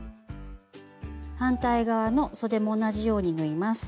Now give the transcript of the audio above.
反対側のそでも同じように縫います。